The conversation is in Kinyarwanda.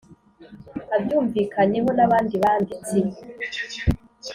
Abyumvikanyeho n abandi banditsi